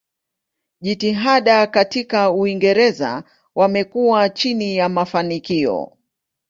Jitihada katika Uingereza wamekuwa chini ya mafanikio.